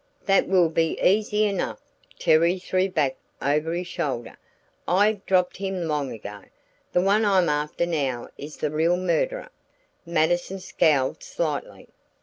"That will be easy enough," Terry threw back over his shoulder. "I dropped him long ago. The one I'm after now is the real murderer." Mattison scowled slightly.